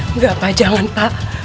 enggak pak jangan pak